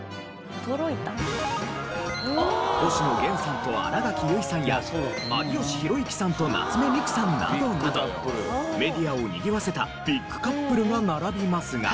星野源さんと新垣結衣さんや有吉弘行さんと夏目三久さんなどなどメディアをにぎわせたビッグカップルが並びますが。